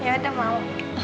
ya udah mau